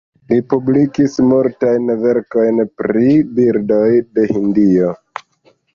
Li publikis multajn verkojn pri birdoj de Hindio.